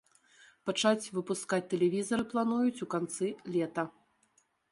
Пачаць выпускаць тэлевізары плануюць у канцы лета.